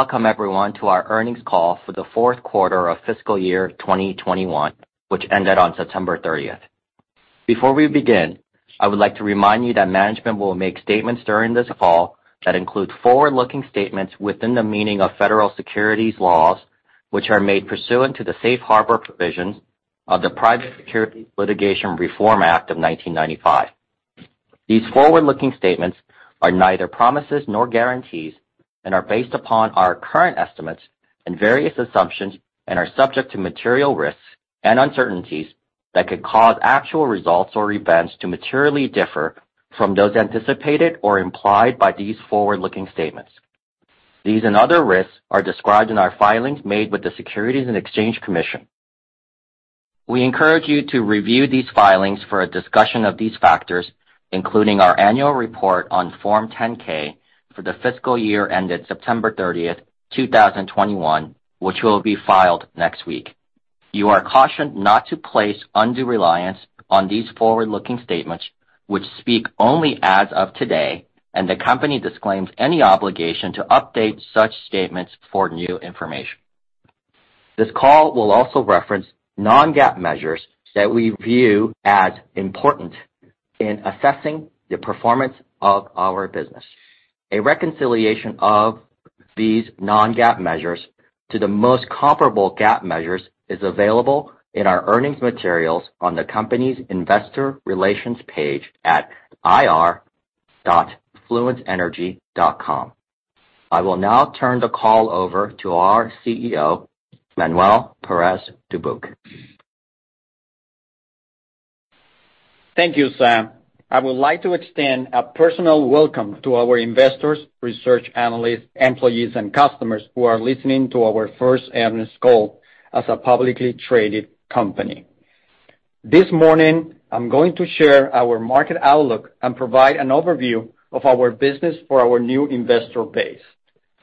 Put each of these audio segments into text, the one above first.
Welcome everyone to our earnings call for the fourth quarter of fiscal year 2021, which ended on September 30. Before we begin, I would like to remind you that management will make statements during this call that include forward-looking statements within the meaning of federal securities laws, which are made pursuant to the safe harbor provisions of the Private Securities Litigation Reform Act of 1995. These forward-looking statements are neither promises nor guarantees, and are based upon our current estimates and various assumptions and are subject to material risks and uncertainties that could cause actual results or events to materially differ from those anticipated or implied by these forward-looking statements. These and other risks are described in our filings made with the Securities and Exchange Commission. We encourage you to review these filings for a discussion of these factors, including our annual report on Form 10-K for the fiscal year ended September 30, 2021, which will be filed next week. You are cautioned not to place undue reliance on these forward-looking statements, which speak only as of today, and the company disclaims any obligation to update such statements for new information. This call will also reference non-GAAP measures that we view as important in assessing the performance of our business. A reconciliation of these non-GAAP measures to the most comparable GAAP measures is available in our earnings materials on the company's investor relations page at ir.fluenceenergy.com. I will now turn the call over to our CEO, Manuel Perez Dubuc. Thank you, Sam. I would like to extend a personal welcome to our investors, research analysts, employees, and customers who are listening to our first earnings call as a publicly traded company. This morning, I'm going to share our market outlook and provide an overview of our business for our new investor base.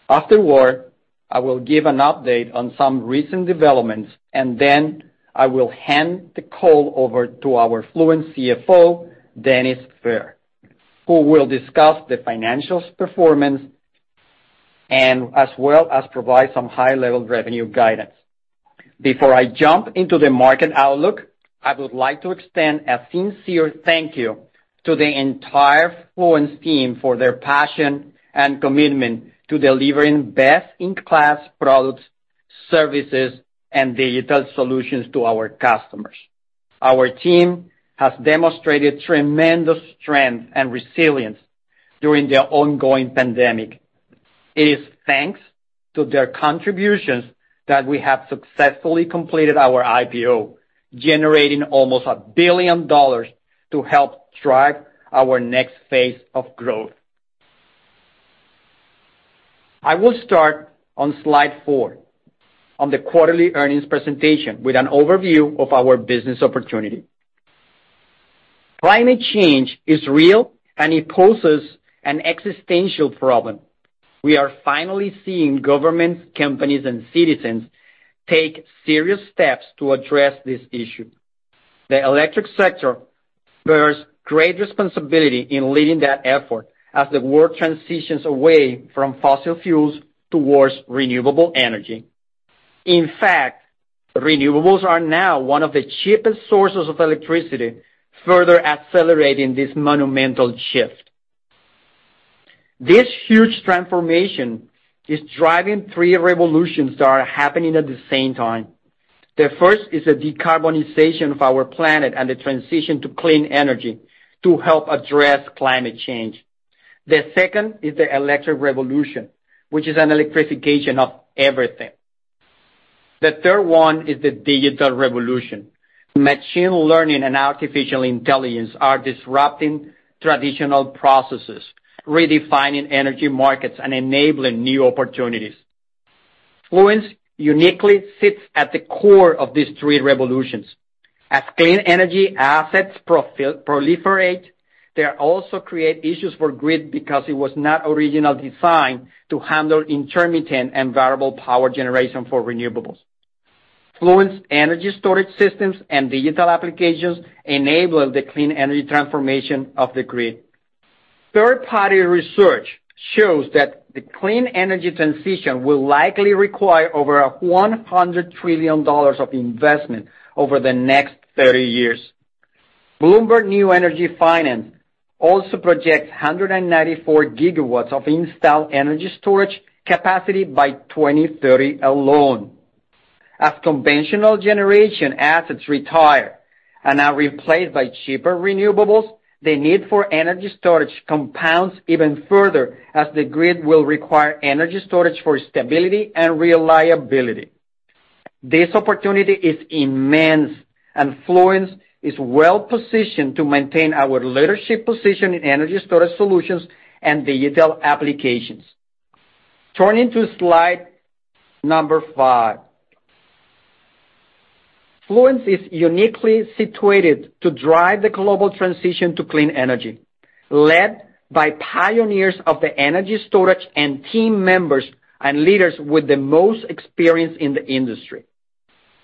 Afterward, I will give an update on some recent developments, and then I will hand the call over to our Fluence CFO, Dennis Fehr, who will discuss the financial performance and as well as provide some high-level revenue guidance. Before I jump into the market outlook, I would like to extend a sincere thank you to the entire Fluence team for their passion and commitment to delivering best-in-class products, services, and digital solutions to our customers. Our team has demonstrated tremendous strength and resilience during the ongoing pandemic. It is thanks to their contributions that we have successfully completed our IPO, generating almost $1 billion to help drive our next phase of growth. I will start on slide four on the quarterly earnings presentation with an overview of our business opportunity. Climate change is real, and it poses an existential problem. We are finally seeing governments, companies, and citizens take serious steps to address this issue. The electric sector bears great responsibility in leading that effort as the world transitions away from fossil fuels towards renewable energy. In fact, renewables are now one of the cheapest sources of electricity, further accelerating this monumental shift. This huge transformation is driving three revolutions that are happening at the same time. The first is the decarbonization of our planet and the transition to clean energy to help address climate change. The second is the electric revolution, which is an electrification of everything. The third one is the digital revolution. Machine learning and artificial intelligence are disrupting traditional processes, redefining energy markets, and enabling new opportunities. Fluence uniquely sits at the core of these three revolutions. As clean energy assets proliferate, they also create issues for grid because it was not originally designed to handle intermittent and variable power generation for renewables. Fluence Energy storage systems and digital applications enable the clean energy transformation of the grid. Third-party research shows that the clean energy transition will likely require over $100 trillion of investment over the next 30 years. Bloomberg New Energy Finance also projects 194 GW of installed energy storage capacity by 2030 alone. As conventional generation assets retire and are replaced by cheaper renewables, the need for energy storage compounds even further as the grid will require energy storage for stability and reliability. This opportunity is immense, and Fluence is well-positioned to maintain our leadership position in energy storage solutions and digital applications. Turning to slide number five. Fluence is uniquely situated to drive the global transition to clean energy, led by pioneers of the energy storage and team members and leaders with the most experience in the industry.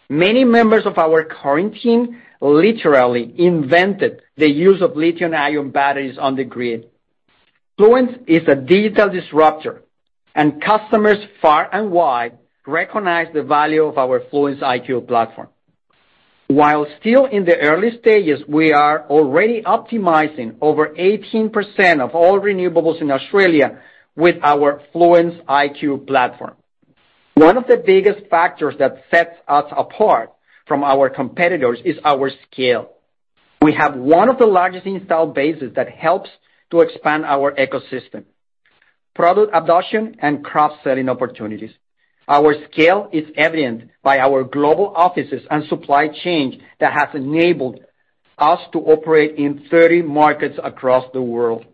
Many members of our current team literally invented the use of lithium-ion batteries on the grid. Fluence is a digital disruptor, and customers far and wide recognize the value of our Fluence IQ platform. While still in the early stages, we are already optimizing over 18% of all renewables in Australia with our Fluence IQ platform. One of the biggest factors that sets us apart from our competitors is our scale. We have one of the largest installed bases that helps to expand our ecosystem, product adoption, and cross-selling opportunities. Our scale is evident by our global offices and supply chain that has enabled us to operate in 30 markets across the world.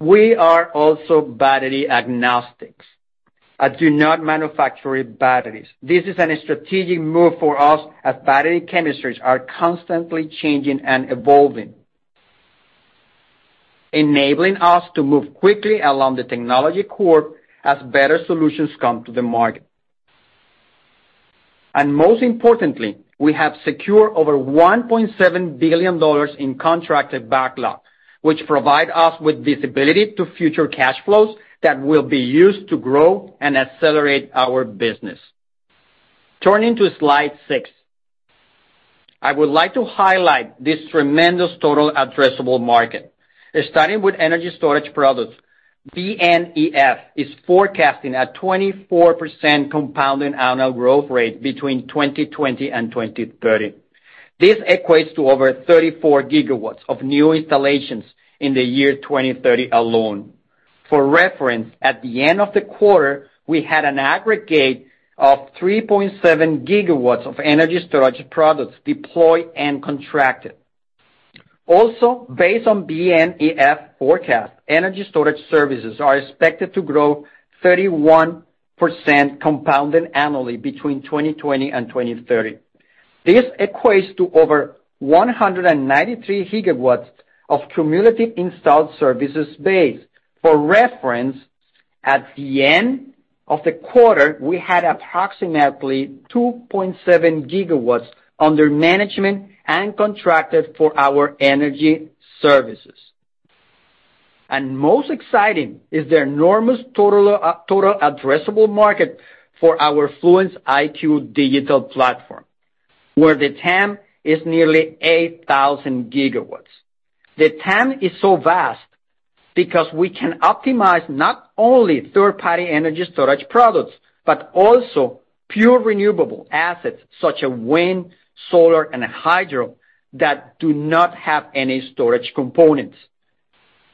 We are also battery agnostic and do not manufacture batteries. This is a strategic move for us, as battery chemistries are constantly changing and evolving, enabling us to move quickly along the technology curve as better solutions come to the market. Most importantly, we have secured over $1.7 billion in contracted backlog, which provides us with visibility to future cash flows that will be used to grow and accelerate our business. Turning to slide six. I would like to highlight this tremendous total addressable market. Starting with energy storage products, BNEF is forecasting a 24% compounding annual growth rate between 2020 and 2030. This equates to over 34 GW of new installations in the year 2030 alone. For reference, at the end of the quarter, we had an aggregate of 3.7 GW of energy storage products deployed and contracted. Also, based on BNEF forecast, energy storage services are expected to grow 31% compounded annually between 2020 and 2030. This equates to over 193 GW of cumulative installed services base. For reference, at the end of the quarter, we had approximately 2.7 GW under management and contracted for our energy services. Most exciting is the enormous total addressable market for our Fluence IQ digital platform, where the TAM is nearly 8,000 GW. The TAM is so vast because we can optimize not only third-party energy storage products, but also pure renewable assets, such as wind, solar, and hydro, that do not have any storage components.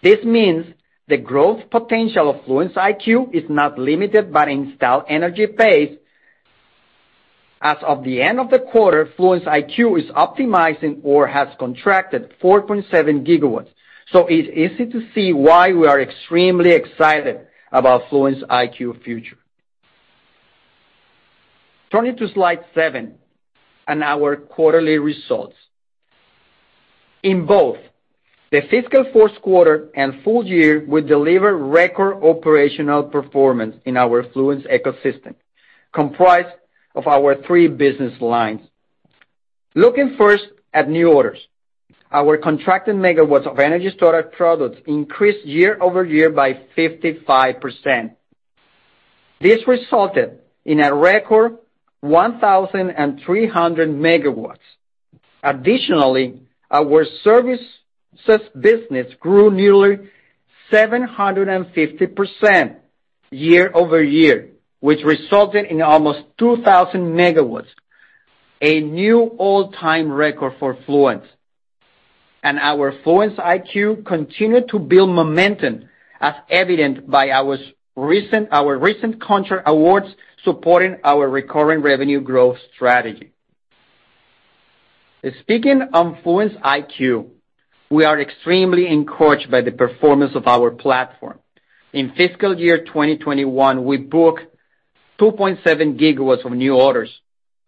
This means the growth potential of Fluence IQ is not limited by installed energy base. As of the end of the quarter, Fluence IQ is optimizing or has contracted 4.7 GW. It's easy to see why we are extremely excited about Fluence IQ future. Turning to slide seven and our quarterly results. In both the fiscal first quarter and full year, we delivered record operational performance in our Fluence ecosystem, comprised of our three business lines. Looking first at new orders. Our contracted MW of energy storage products increased year-over-year by 55%. This resulted in a record 1,300 MW. Additionally, our services business grew nearly 750% year-over-year, which resulted in almost 2,000 MW, a new all-time record for Fluence. Our Fluence IQ continued to build momentum, as evident by our recent contract awards supporting our recurring revenue growth strategy. Speaking on Fluence IQ, we are extremely encouraged by the performance of our platform. In fiscal year 2021, we booked 2.7 GW of new orders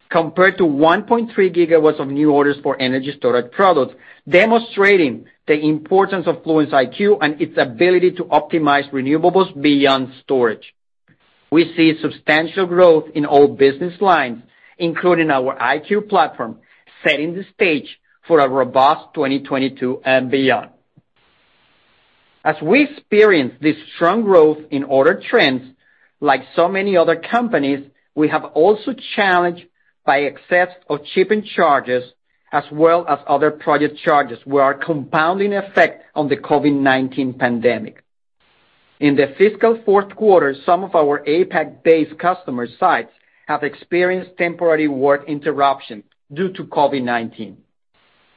compared to 1.3 GW of new orders for energy storage products, demonstrating the importance of Fluence IQ and its ability to optimize renewables beyond storage. We see substantial growth in all business lines, including our IQ platform, setting the stage for a robust 2022 and beyond. As we experience this strong growth in order trends, like so many other companies, we have also been challenged by excess of shipping charges as well as other project charges which are compounding effect on the COVID-19 pandemic. In the fiscal fourth quarter, some of our APAC-based customer sites have experienced temporary work interruption due to COVID-19.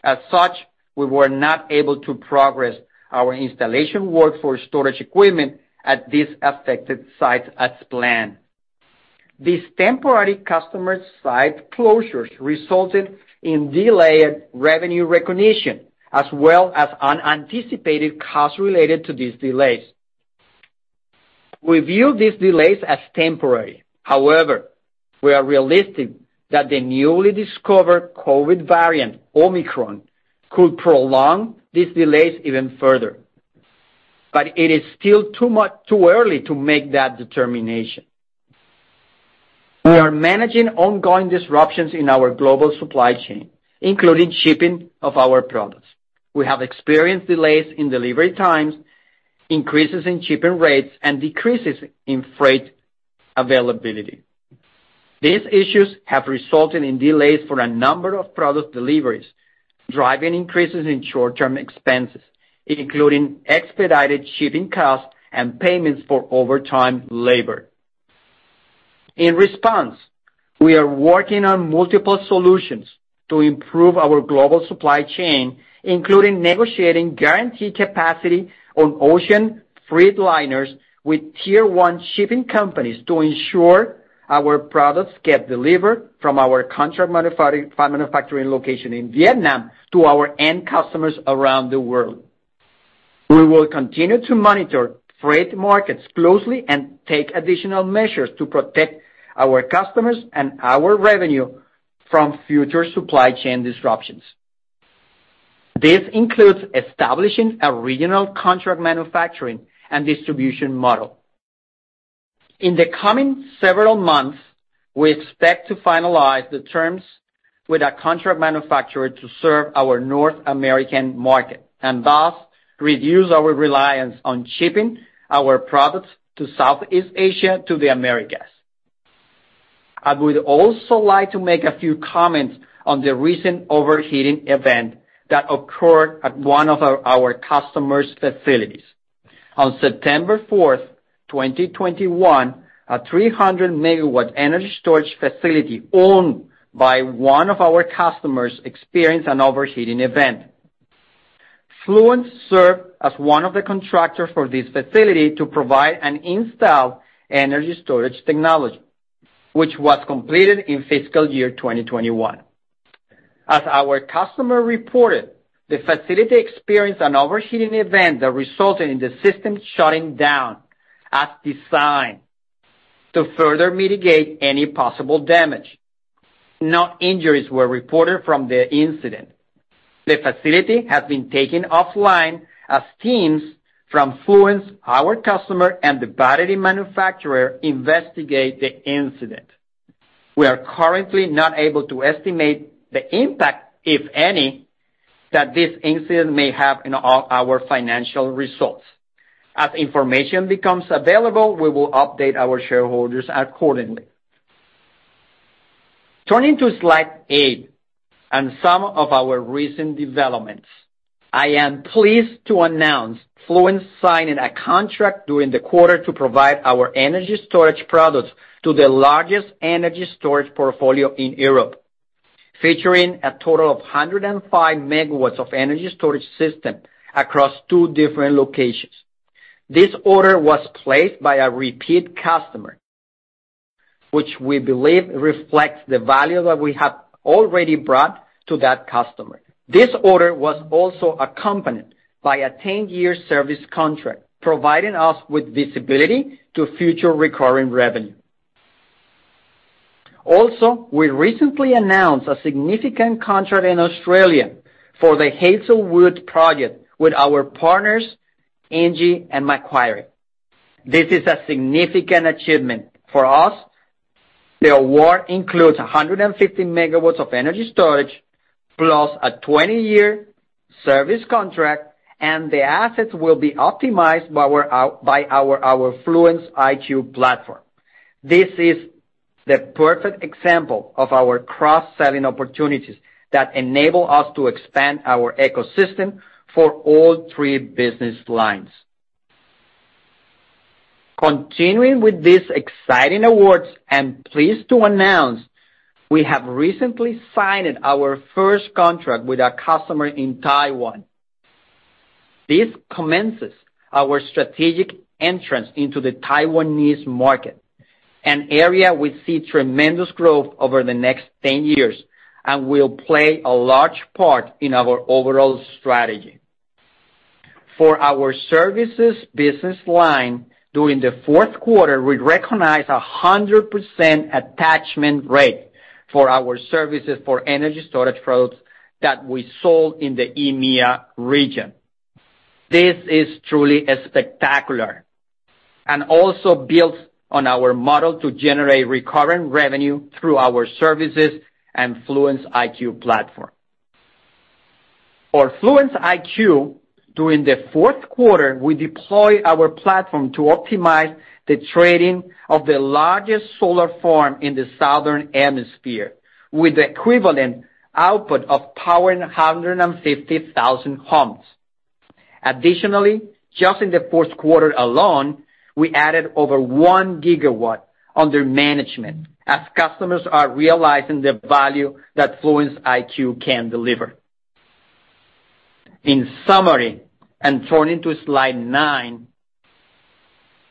As such, we were not able to progress our installation work for storage equipment at these affected sites as planned. These temporary customer site closures resulted in delayed revenue recognition as well as unanticipated costs related to these delays. We view these delays as temporary. However, we are realistic that the newly discovered COVID variant, Omicron, could prolong these delays even further. It is still too early to make that determination. We are managing ongoing disruptions in our global supply chain, including shipping of our products. We have experienced delays in delivery times, increases in shipping rates, and decreases in freight availability. These issues have resulted in delays for a number of product deliveries, driving increases in short-term expenses, including expedited shipping costs and payments for overtime labor. In response, we are working on multiple solutions to improve our global supply chain, including negotiating guaranteed capacity on ocean freight liners with tier-one shipping companies to ensure our products get delivered from our contract manufacturing location in Vietnam to our end customers around the world. We will continue to monitor freight markets closely and take additional measures to protect our customers and our revenue from future supply chain disruptions. This includes establishing a regional contract manufacturing and distribution model. In the coming several months, we expect to finalize the terms with a contract manufacturer to serve our North American market, and thus reduce our reliance on shipping our products to Southeast Asia to the Americas. I would also like to make a few comments on the recent overheating event that occurred at one of our customer's facilities. On September 4, 2021, a 300 MW energy storage facility owned by one of our customers experienced an overheating event. Fluence served as one of the contractors for this facility to provide and install energy storage technology, which was completed in fiscal year 2021. As our customer reported, the facility experienced an overheating event that resulted in the system shutting down as designed to further mitigate any possible damage. No injuries were reported from the incident. The facility has been taken offline as teams from Fluence, our customer, and the battery manufacturer investigate the incident. We are currently not able to estimate the impact, if any, that this incident may have in all our financial results. As information becomes available, we will update our shareholders accordingly. Turning to slide eight and some of our recent developments. I am pleased to announce Fluence signing a contract during the quarter to provide our energy storage products to the largest energy storage portfolio in Europe, featuring a total of 105 MW of energy storage system across two different locations. This order was placed by a repeat customer, which we believe reflects the value that we have already brought to that customer. This order was also accompanied by a 10-year service contract, providing us with visibility to future recurring revenue. Also, we recently announced a significant contract in Australia for the Hazelwood project with our partners, ENGIE and Macquarie. This is a significant achievement for us. The award includes 150 MW of energy storage plus a 20-year service contract, and the assets will be optimized by our Fluence IQ platform. This is the perfect example of our cross-selling opportunities that enable us to expand our ecosystem for all three business lines. Continuing with these exciting awards, I'm pleased to announce we have recently signed our first contract with a customer in Taiwan. This commences our strategic entrance into the Taiwanese market, an area we see tremendous growth over the next 10 years and will play a large part in our overall strategy. For our services business line, during the fourth quarter, we recognized a 100% attachment rate for our services for energy storage products that we sold in the EMEA region. This is truly spectacular and also builds on our model to generate recurring revenue through our services and Fluence IQ platform. For Fluence IQ, during the fourth quarter, we deployed our platform to optimize the trading of the largest solar farm in the southern hemisphere, with the equivalent output of powering 150,000 homes. Additionally, just in the fourth quarter alone, we added over 1 GW under management as customers are realizing the value that Fluence IQ can deliver. In summary, and turning to slide nine,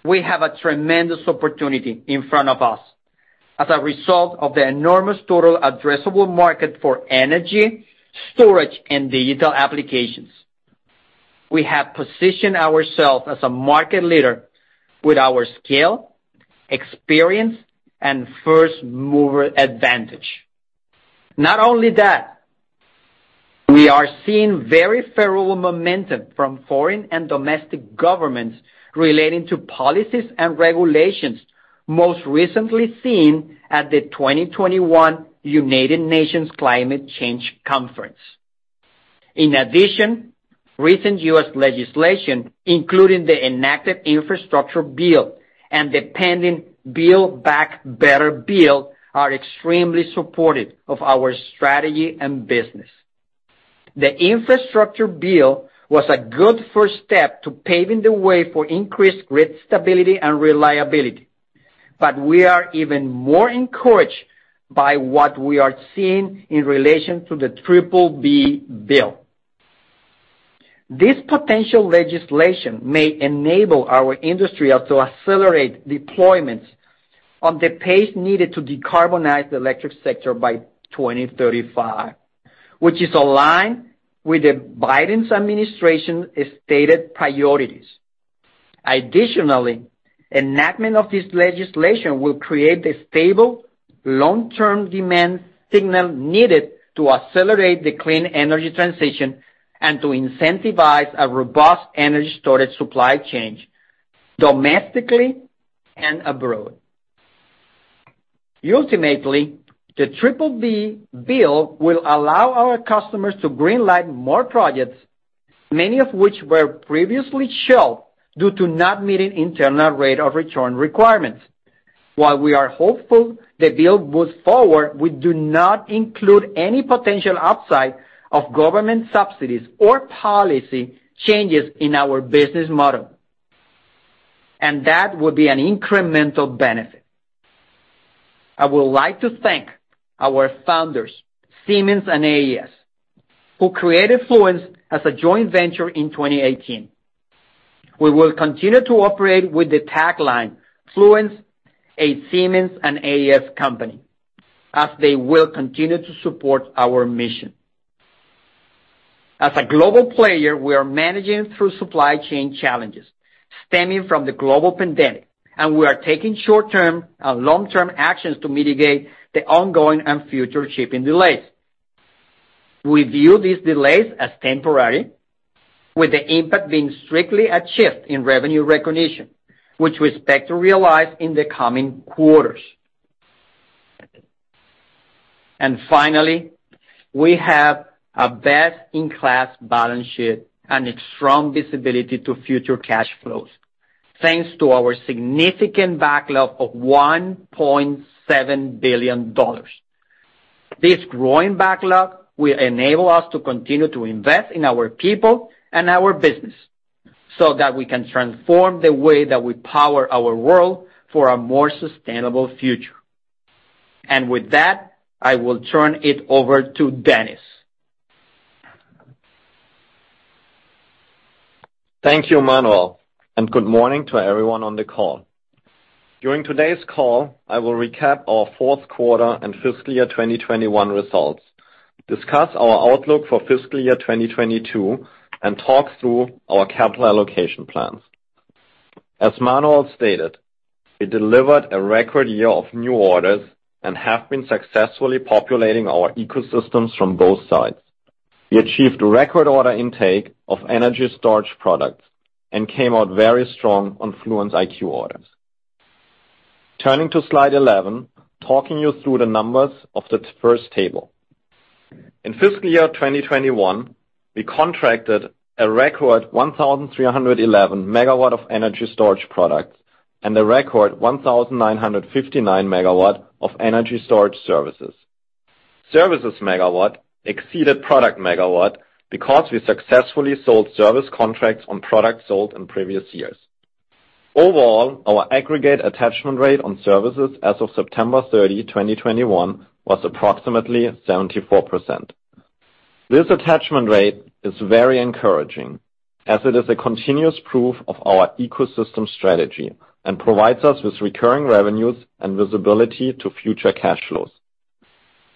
we have a tremendous opportunity in front of us as a result of the enormous total addressable market for energy, storage, and digital applications. We have positioned ourselves as a market leader with our scale, experience, and first-mover advantage. Not only that. We are seeing very favorable momentum from foreign and domestic governments relating to policies and regulations, most recently seen at the 2021 United Nations Climate Change Conference. In addition, recent U.S. legislation, including the enacted infrastructure bill and the pending Build Back Better bill, are extremely supportive of our strategy and business. The infrastructure bill was a good first step to paving the way for increased grid stability and reliability, but we are even more encouraged by what we are seeing in relation to the BBB bill. This potential legislation may enable our industry to accelerate deployments on the pace needed to decarbonize the electric sector by 2035, which is aligned with the Biden administration's stated priorities. Additionally, enactment of this legislation will create the stable, long-term demand signal needed to accelerate the clean energy transition and to incentivize a robust energy storage supply chain domestically and abroad. Ultimately, the BBB bill will allow our customers to green light more projects, many of which were previously shelved due to not meeting internal rate of return requirements. While we are hopeful the bill moves forward, we do not include any potential upside of government subsidies or policy changes in our business model. That would be an incremental benefit. I would like to thank our founders, Siemens and AES, who created Fluence as a joint venture in 2018. We will continue to operate with the tagline, Fluence, a Siemens and AES company, as they will continue to support our mission. As a global player, we are managing through supply chain challenges stemming from the global pandemic, and we are taking short-term and long-term actions to mitigate the ongoing and future shipping delays. We view these delays as temporary, with the impact being strictly a shift in revenue recognition, which we expect to realize in the coming quarters. Finally, we have a best-in-class balance sheet and a strong visibility to future cash flows, thanks to our significant backlog of $1.7 billion. This growing backlog will enable us to continue to invest in our people and our business so that we can transform the way that we power our world for a more sustainable future. With that, I will turn it over to Dennis. Thank you, Manuel, and good morning to everyone on the call. During today's call, I will recap our fourth quarter and fiscal year 2021 results, discuss our outlook for fiscal year 2022, and talk through our capital allocation plans. As Manuel stated, we delivered a record year of new orders and have been successfully populating our ecosystems from both sides. We achieved record order intake of energy storage products and came out very strong on Fluence IQ orders. Turning to slide 11, talking you through the numbers of the first table. In fiscal year 2021, we contracted a record 1,311 MW of energy storage products and a record 1,959 MW of energy storage services. Services MW exceeded product MW because we successfully sold service contracts on products sold in previous years. Overall, our aggregate attachment rate on services as of September 30, 2021, was approximately 74%. This attachment rate is very encouraging as it is a continuous proof of our ecosystem strategy and provides us with recurring revenues and visibility to future cash flows.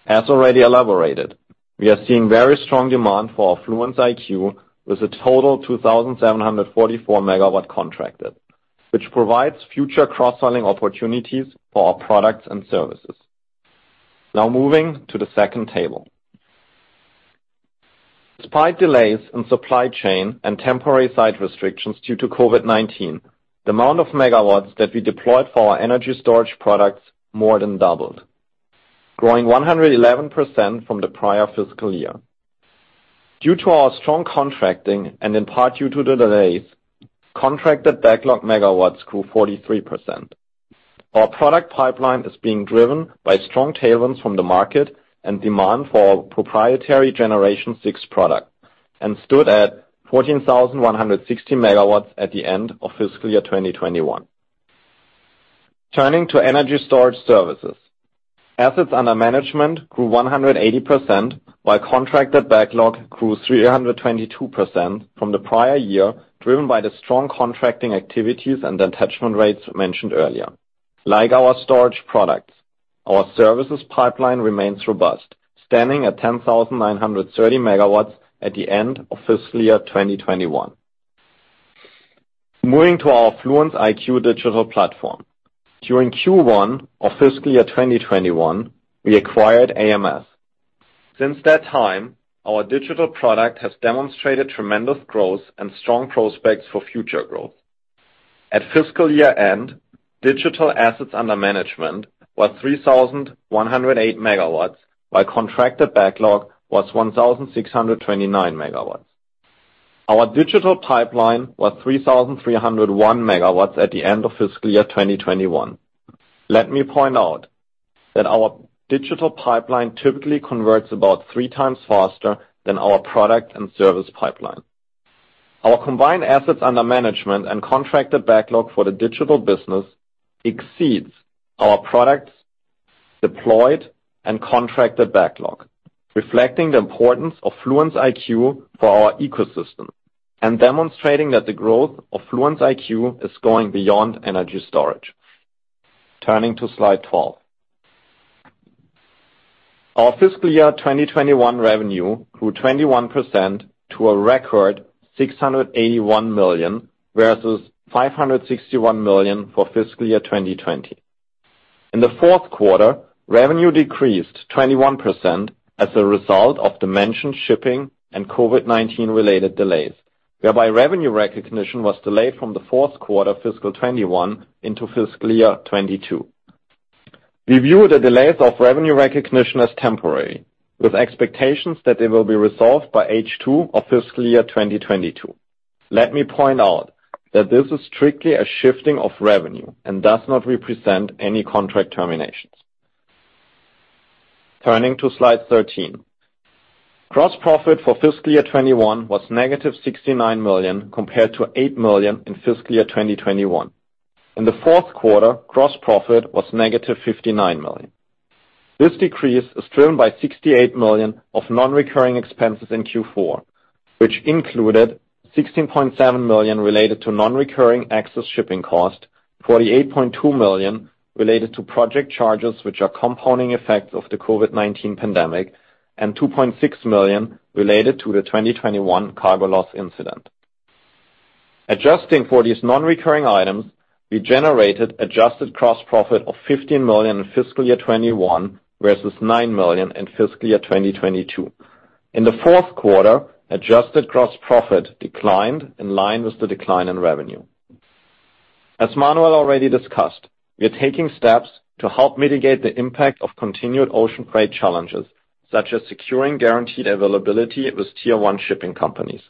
As already elaborated, we are seeing very strong demand for our Fluence IQ with a total 2,744 MW contracted, which provides future cross-selling opportunities for our products and services. Now moving to the second table. Despite delays in supply chain and temporary site restrictions due to COVID-19, the amount of MW that we deployed for our energy storage products more than doubled, growing 111% from the prior fiscal year. Due to our strong contracting and in part due to the delays, contracted backlog MW grew 43%. Our product pipeline is being driven by strong tailwinds from the market and demand for our proprietary sixth-generation product and stood at 14,160 MW at the end of fiscal year 2021. Turning to energy storage services. Assets under management grew 180% while contracted backlog grew 322% from the prior year, driven by the strong contracting activities and attachment rates mentioned earlier. Like our storage products, our services pipeline remains robust, standing at 10,930 MW at the end of fiscal year 2021. Moving to our Fluence IQ digital platform. During Q1 of fiscal year 2021, we acquired AMS. Since that time, our digital product has demonstrated tremendous growth and strong prospects for future growth. At fiscal year-end, digital assets under management was 3,108 MW, while contracted backlog was 1,629 MW. Our digital pipeline was 3,301 MW at the end of fiscal year 2021. Let me point out that our digital pipeline typically converts about 3x faster than our product and service pipeline. Our combined assets under management and contracted backlog for the digital business exceeds our products deployed and contracted backlog, reflecting the importance of Fluence IQ for our ecosystem and demonstrating that the growth of Fluence IQ is going beyond energy storage. Turning to slide 12. Our fiscal year 2021 revenue grew 21% to a record $681 million, versus $561 million for fiscal year 2020. In the fourth quarter, revenue decreased 21% as a result of the mentioned shipping and COVID-19 related delays, whereby revenue recognition was delayed from the fourth quarter fiscal 2021 into fiscal year 2022. We view the delays of revenue recognition as temporary, with expectations that they will be resolved by H2 of fiscal year 2022. Let me point out that this is strictly a shifting of revenue and does not represent any contract terminations. Turning to slide 13. Gross profit for fiscal year 2021 was -$69 million, compared to $8 million in fiscal year 2020. In the fourth quarter, gross profit was -$59 million. This decrease is driven by $68 million of non-recurring expenses in Q4, which included $16.7 million related to non-recurring excess shipping cost, $48.2 million related to project charges which are compounding effects of the COVID-19 pandemic, and $2.6 million related to the 2021 cargo loss incident. Adjusting for these non-recurring items, we generated adjusted gross profit of $15 million in fiscal year 2021 versus $9 million in fiscal year 2022. In the fourth quarter, adjusted gross profit declined in line with the decline in revenue. As Manuel already discussed, we are taking steps to help mitigate the impact of continued ocean freight challenges, such as securing guaranteed availability with tier one shipping companies.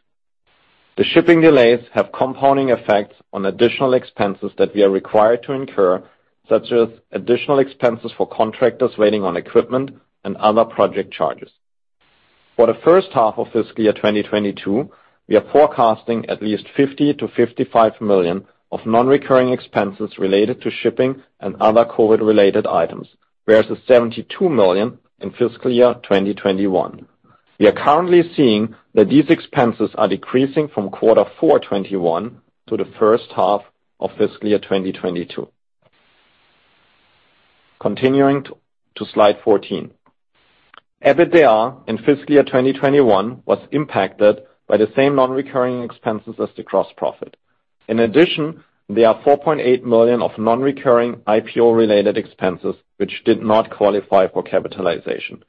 The shipping delays have compounding effects on additional expenses that we are required to incur, such as additional expenses for contractors waiting on equipment and other project charges. For the first half of fiscal year 2022, we are forecasting at least $50 million-$55 million of non-recurring expenses related to shipping and other COVID-related items, whereas the $72 million in fiscal year 2021. We are currently seeing that these expenses are decreasing from Q4 2021 to the first half of fiscal year 2022. Continuing to slide 14. EBITDA in fiscal year 2021 was impacted by the same non-recurring expenses as the gross profit. In addition, there are $4.8 million of non-recurring IPO-related expenses which did not qualify for capitalization.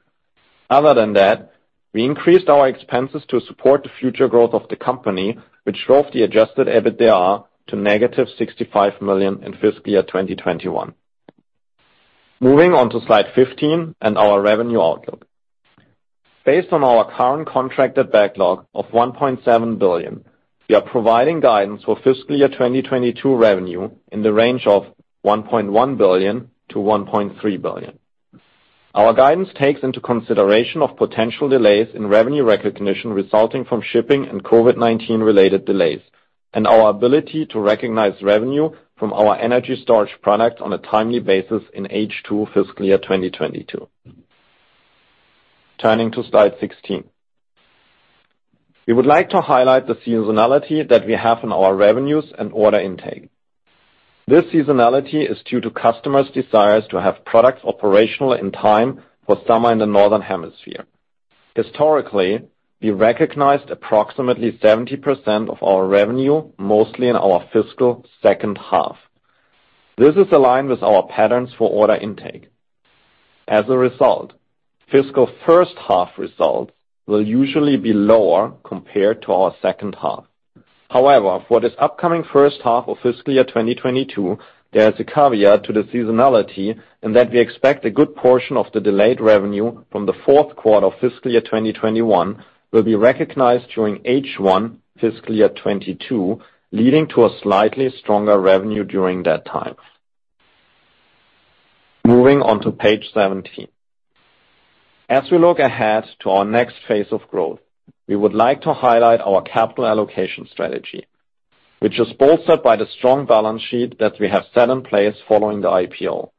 Other than that, we increased our expenses to support the future growth of the company, which drove the adjusted EBITDA to negative $65 million in fiscal year 2021. Moving on to slide 15 and our revenue outlook. Based on our current contracted backlog of $1.7 billion, we are providing guidance for FY 2022 revenue in the range of $1.1 billion-$1.3 billion. Our guidance takes into consideration of potential delays in revenue recognition resulting from shipping and COVID-19 related delays, and our ability to recognize revenue from our energy storage products on a timely basis in H2 FY 2022. Turning to slide 16. We would like to highlight the seasonality that we have in our revenues and order intake. This seasonality is due to customers' desires to have products operational in time for summer in the Northern Hemisphere. Historically, we recognized approximately 70% of our revenue, mostly in our fiscal second half. This is aligned with our patterns for order intake. As a result, fiscal first half results will usually be lower compared to our second half. However, for this upcoming first half of fiscal year 2022, there is a caveat to the seasonality in that we expect a good portion of the delayed revenue from the fourth quarter of fiscal year 2021 will be recognized during H1 fiscal year 2022, leading to a slightly stronger revenue during that time. Moving on to page 17. As we look ahead to our next phase of growth, we would like to highlight our capital allocation strategy, which is bolstered by the strong balance sheet that we have set in place following the IPO.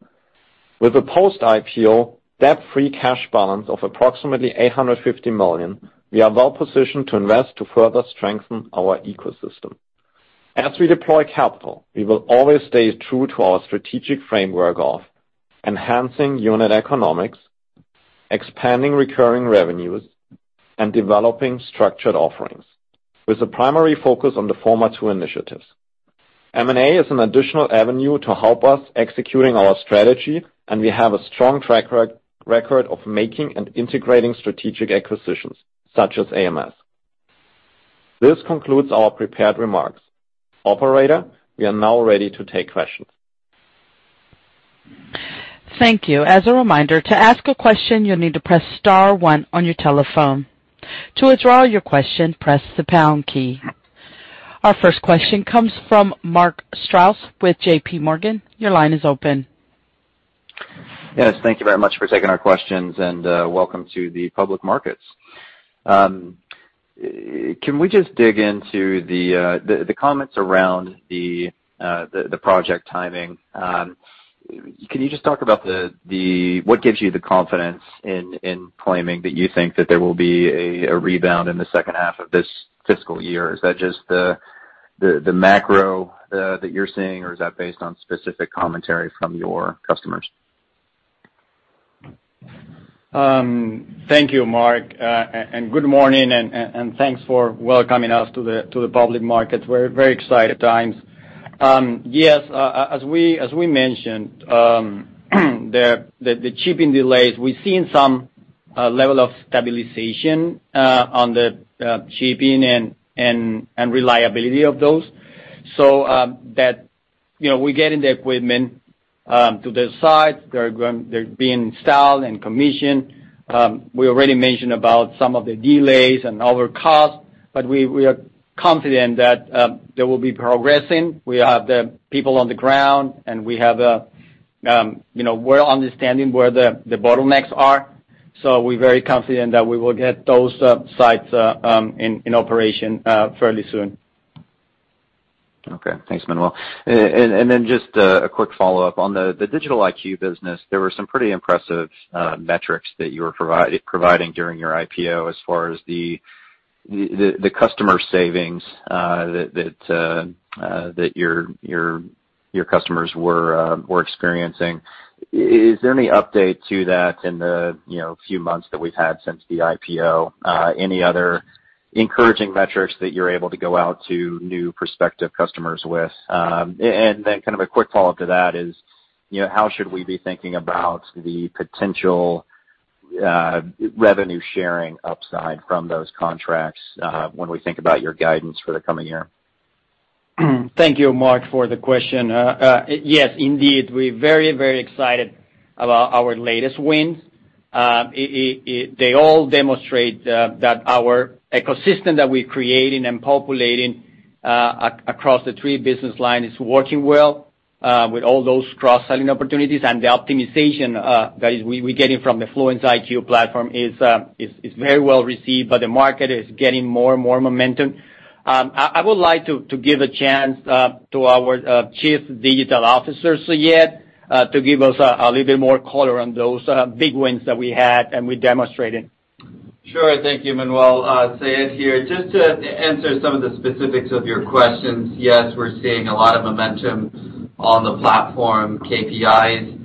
With a post-IPO debt-free cash balance of approximately $850 million, we are well positioned to invest to further strengthen our ecosystem. As we deploy capital, we will always stay true to our strategic framework of enhancing unit economics. Expanding recurring revenues and developing structured offerings, with a primary focus on the former two initiatives. M&A is an additional avenue to help us executing our strategy, and we have a strong track record of making and integrating strategic acquisitions such as AMS. This concludes our prepared remarks. Operator, we are now ready to take questions. Thank you. As a reminder, to ask a question, you'll need to press star one on your telephone. To withdraw your question, press the pound key. Our first question comes from Mark Strouse with JPMorgan. Your line is open. Yes. Thank you very much for taking our questions, and welcome to the public markets. Can we just dig into the comments around the project timing? Can you just talk about what gives you the confidence in claiming that you think that there will be a rebound in the second half of this fiscal year? Is that just the macro that you're seeing, or is that based on specific commentary from your customers? Thank you, Mark, and good morning, and thanks for welcoming us to the public market. We're very exciting times. Yes, as we mentioned, the shipping delays, we've seen some level of stabilization on the shipping and reliability of those. That, you know, we're getting the equipment to the site. They're being installed and commissioned. We already mentioned about some of the delays and other costs, but we are confident that they will be progressing. We have the people on the ground, and we have, you know, we're understanding where the bottlenecks are, so we're very confident that we will get those sites in operation fairly soon. Okay. Thanks, Manuel. Just a quick follow-up on the Fluence IQ business. There were some pretty impressive metrics that you were providing during your IPO as far as the customer savings that your customers were experiencing. Is there any update to that in the few months that we've had since the IPO? Any other encouraging metrics that you're able to go out to new prospective customers with? Kind of a quick follow-up to that is, you know, how should we be thinking about the potential revenue sharing upside from those contracts when we think about your guidance for the coming year? Thank you, Mark, for the question. Yes, indeed, we're very excited about our latest wins. They all demonstrate that our ecosystem that we're creating and populating across the three business lines is working well with all those cross-selling opportunities and the optimization that we're getting from the Fluence IQ platform is very well received by the market, is getting more and more momentum. I would like to give a chance to our Chief Digital Officer, Seyed, to give us a little bit more color on those big wins that we had and we demonstrated. Sure. Thank you, Manuel. Seyed here. Just to answer some of the specifics of your questions, yes, we're seeing a lot of momentum on the platform KPIs.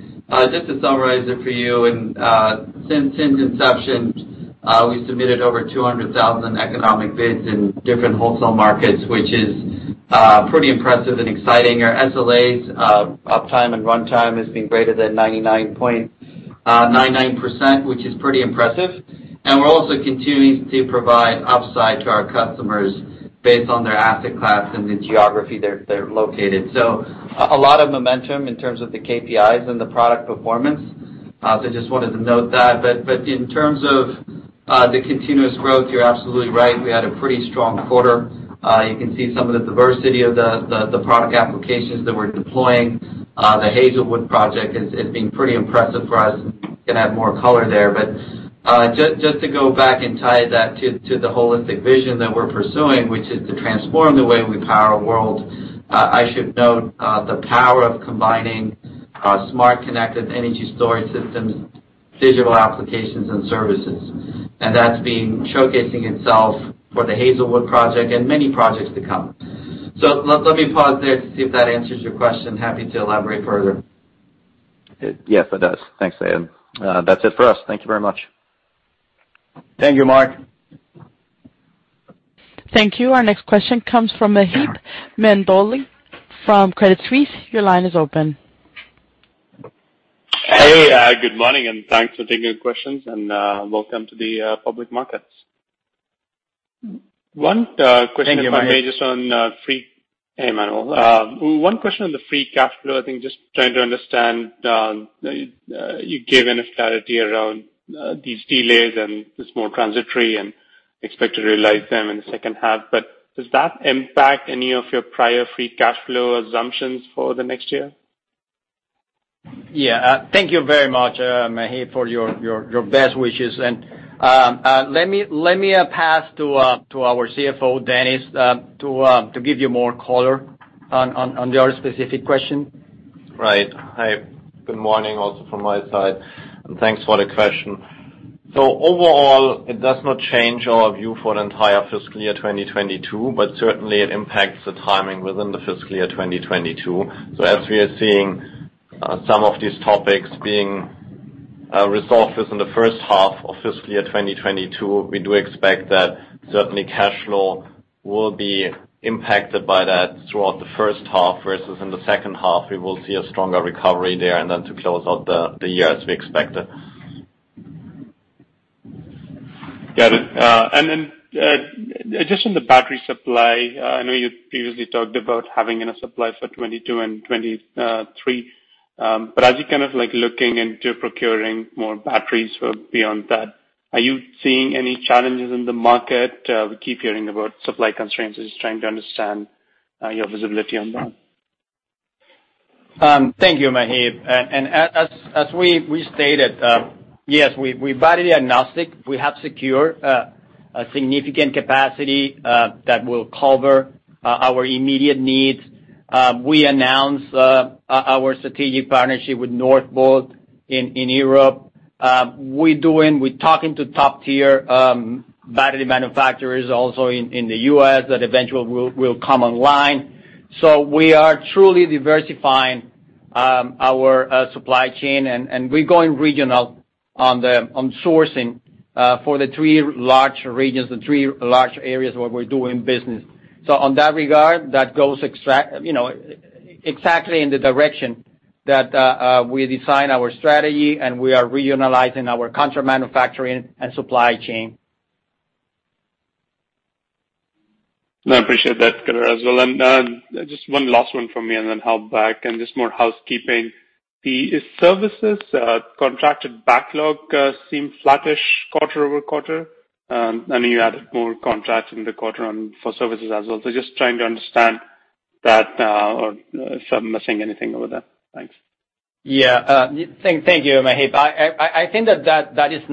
Just to summarize it for you and since inception, we submitted over 200,000 economic bids in different wholesale markets, which is pretty impressive and exciting. Our SLAs uptime and runtime has been greater than 99.99%, which is pretty impressive. We're also continuing to provide upside to our customers based on their asset class and the geography they're located. A lot of momentum in terms of the KPIs and the product performance. Just wanted to note that. In terms of the continuous growth, you're absolutely right. We had a pretty strong quarter. You can see some of the diversity of the product applications that we're deploying. The Hazelwood project is being pretty impressive for us. Can add more color there. Just to go back and tie that to the holistic vision that we're pursuing, which is to transform the way we power our world, I should note the power of combining smart, connected energy storage systems, digital applications and services. That's been showcasing itself for the Hazelwood project and many projects to come. Let me pause there to see if that answers your question. Happy to elaborate further. Yes, it does. Thanks, Seyed. That's it for us. Thank you very much. Thank you, Mark. Thank you. Our next question comes from Maheep Mandloi from Credit Suisse. Your line is open. Hey, good morning, and thanks for taking the questions and welcome to the public markets. One question- Thank you, Maheep. Hey, Manuel. One question on the free cash flow. I think just trying to understand, you gave a clarity around these delays and it's more transitory and expect to realize them in the second half. Does that impact any of your prior free cash flow assumptions for the next year? Yeah. Thank you very much, Maheep, for your best wishes. Let me pass to our CFO, Dennis, to give you more color on your specific question. Right. Hi. Good morning also from my side, and thanks for the question. Overall, it does not change our view for the entire fiscal year 2022, but certainly it impacts the timing within the fiscal year 2022. As we are seeing, some of these topics being resolved this in the first half of fiscal year 2022. We do expect that certainly cash flow will be impacted by that throughout the first half, versus in the second half, we will see a stronger recovery there and then to close out the year as we expected. Got it. Then, just on the battery supply, I know you previously talked about having enough supply for 2022 and 2023. As you're kind of like looking into procuring more batteries for beyond that, are you seeing any challenges in the market? We keep hearing about supply constraints. Just trying to understand your visibility on that. Thank you, Maheep. As we stated, yes, we are battery agnostic. We have secured a significant capacity that will cover our immediate needs. We announced our strategic partnership with Northvolt in Europe. We're talking to top-tier battery manufacturers also in the U.S. that eventually will come online. We are truly diversifying our supply chain, and we're going regional on sourcing for the three large regions, the three large areas where we're doing business. On that regard, that goes you know exactly in the direction that we design our strategy, and we are regionalizing our contract manufacturing and supply chain. No, I appreciate that, color. Just one last one from me and then I'll back. Just more housekeeping. The services contracted backlog seemed flattish quarter-over-quarter. I know you added more contracts in the quarter for services as well. Just trying to understand that, or if I'm missing anything over there. Thanks. Thank you, Maheep. I think that is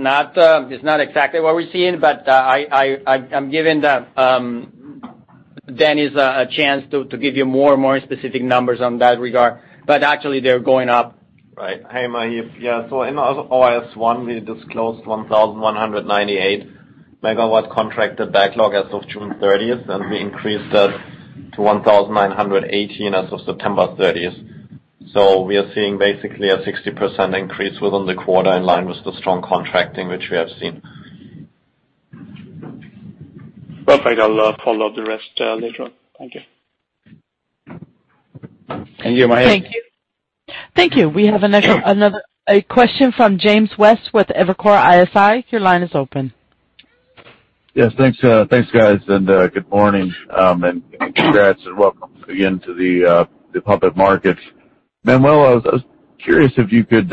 not exactly what we're seeing, but I'm giving Dennis a chance to give you more and more specific numbers in that regard. Actually, they're going up. Right. Hey, Maheep. Yeah. In S-1, we disclosed 1,198 MW contracted backlog as of June 30, and we increased that to 1,918 as of September 30. We are seeing basically a 60% increase within the quarter in line with the strong contracting which we have seen. Perfect. I'll follow up the rest later on. Thank you. Thank you, Maheep. Thank you. We have another question from James West with Evercore ISI. Your line is open. Yes. Thanks, guys. Good morning. Congrats and welcome again to the public market. Manuel, I was curious if you could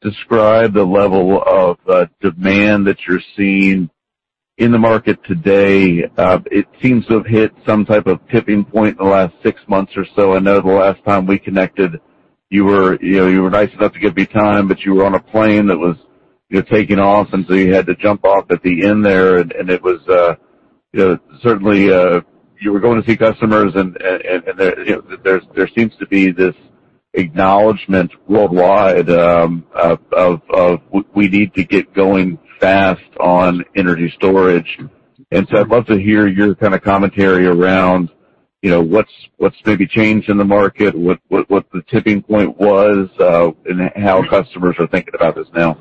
describe the level of demand that you're seeing in the market today. It seems to have hit some type of tipping point in the last six months or so. I know the last time we connected, you were, you know, you were nice enough to give me time, but you were on a plane that was, you know, taking off, and so you had to jump off at the end there. It was, you know, certainly, you were going to see customers and there, you know, there seems to be this acknowledgement worldwide of we need to get going fast on energy storage. I'd love to hear your kind of commentary around, you know, what's maybe changed in the market, what the tipping point was, and how customers are thinking about this now.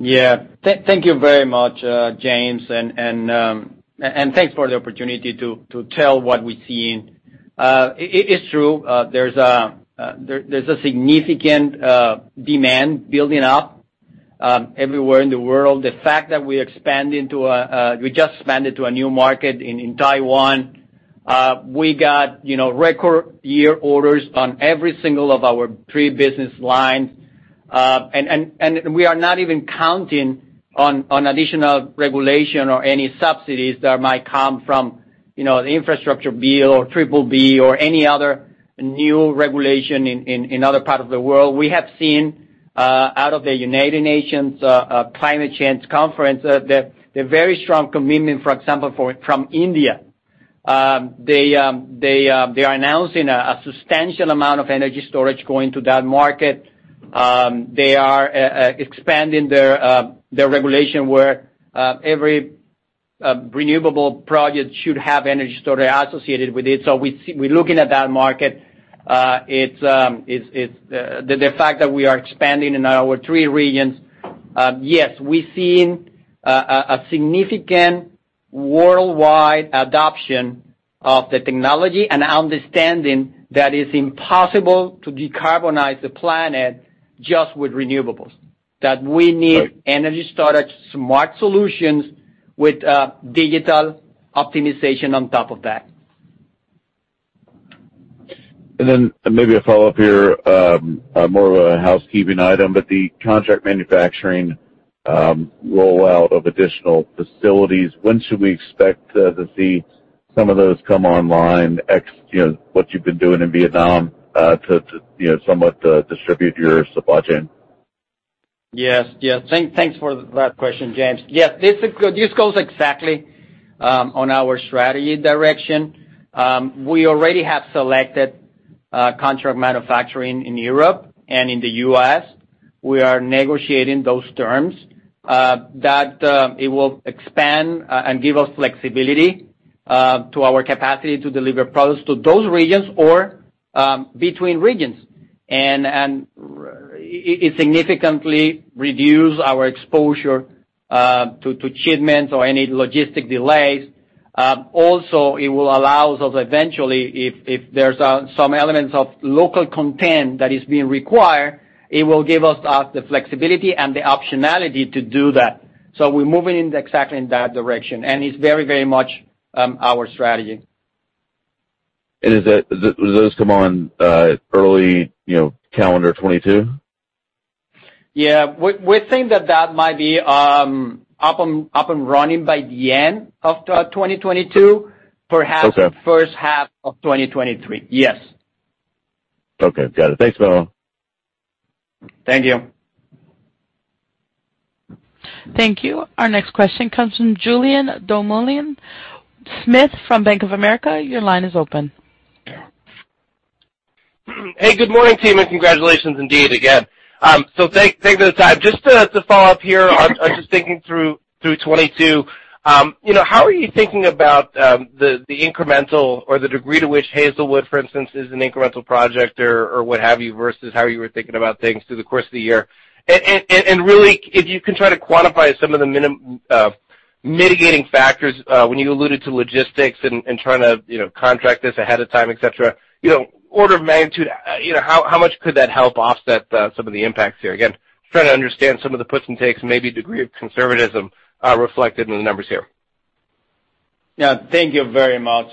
Yeah. Thank you very much, James, and thanks for the opportunity to tell what we're seeing. It is true. There's a significant demand building up everywhere in the world. The fact that we just expanded to a new market in Taiwan. We got, you know, record year orders on every single of our three business lines. We are not even counting on additional regulation or any subsidies that might come from, you know, the infrastructure bill or BBB or any other new regulation in other parts of the world. We have seen out of the United Nations Climate Change Conference the very strong commitment, for example, from India. They are announcing a substantial amount of energy storage going to that market. They are expanding their regulation where every renewable project should have energy storage associated with it. We're looking at that market. It's the fact that we are expanding in our three regions. Yes, we're seeing a significant worldwide adoption of the technology and understanding that it's impossible to decarbonize the planet just with renewables, that we need energy storage, smart solutions with digital optimization on top of that. Maybe a follow-up here, more of a housekeeping item, but the contract manufacturing rollout of additional facilities, when should we expect to see some of those come online, ex, you know, what you've been doing in Vietnam, to you know somewhat distribute your supply chain? Yes. Thanks for that question, James. This goes exactly on our strategy direction. We already have selected contract manufacturing in Europe and in the U.S. We are negotiating those terms that it will expand and give us flexibility to our capacity to deliver products to those regions or between regions. It significantly reduces our exposure to shipments or any logistic delays. Also, it will allow us eventually, if there's some elements of local content that is being required, it will give us the flexibility and the optionality to do that. We're moving in exactly that direction, and it's very much our strategy. Will those come on early, you know, calendar 2022? Yeah. We think that might be up and running by the end of 2022. Okay. Perhaps the first half of 2023. Yes. Okay, got it. Thanks, Manuel. Thank you. Thank you. Our next question comes from Julien Dumoulin-Smith from Bank of America. Your line is open. Hey, good morning, team, and congratulations indeed again. Thanks for the time. Just to follow up here on- Sure. Just thinking through 2022. You know, how are you thinking about the incremental or the degree to which Hazelwood, for instance, is an incremental project or what have you, versus how you were thinking about things through the course of the year? Really if you can try to quantify some of the mitigating factors when you alluded to logistics and trying to, you know, contract this ahead of time, et cetera. You know, order of magnitude, you know, how much could that help offset some of the impacts here? Again, just trying to understand some of the puts and takes, maybe degree of conservatism reflected in the numbers here. Yeah. Thank you very much,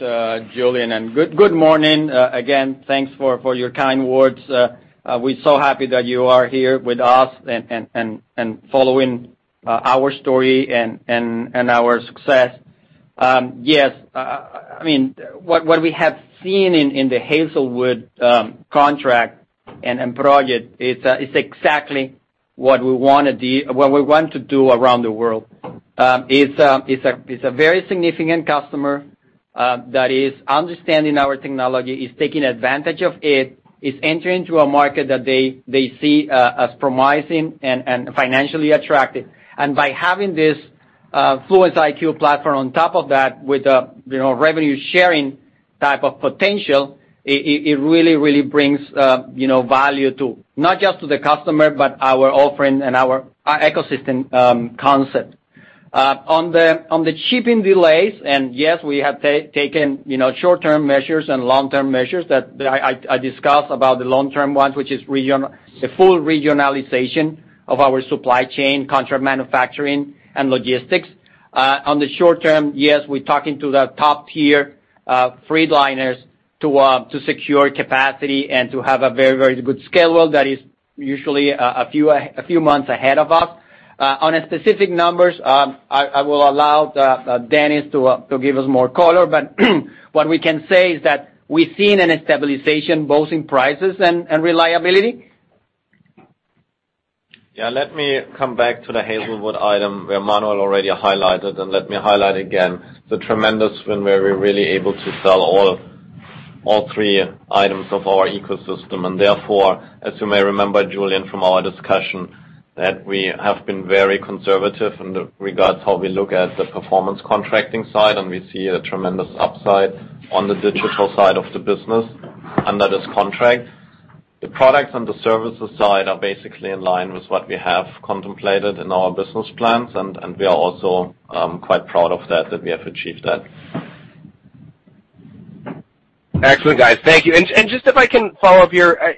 Julien, and good morning. Again, thanks for your kind words. We're so happy that you are here with us and following our story and our success. I mean, what we have seen in the Hazelwood contract and project is exactly what we want to do around the world. It's a very significant customer that is understanding our technology, is taking advantage of it. It's entering into a market that they see as promising and financially attractive. By having this Fluence IQ platform on top of that with, you know, revenue sharing type of potential, it really brings, you know, value to not just the customer, but our offering and our ecosystem concept. On the shipping delays, yes, we have taken, you know, short-term measures and long-term measures that I discussed about the long-term ones, which is the full regionalization of our supply chain, contract manufacturing and logistics. On the short term, yes, we're talking to the top-tier freight liners to secure capacity and to have a very good schedule that is usually a few months ahead of us. On specific numbers, I will allow Dennis to give us more color, but what we can say is that we've seen a stabilization both in prices and reliability. Yeah, let me come back to the Hazelwood item where Manuel already highlighted, and let me highlight again the tremendous win where we're really able to sell all three items of our ecosystem. Therefore, as you may remember, Julien, from our discussion, that we have been very conservative in the regards how we look at the performance contracting side, and we see a tremendous upside on the digital side of the business, and that is contract. The products and the services side are basically in line with what we have contemplated in our business plans, and we are also quite proud of that we have achieved that. Excellent, guys. Thank you. Just if I can follow up here,